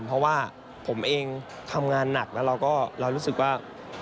เพราะว่าผมเองทำงานหนักแล้วเราก็เรารู้สึกว่า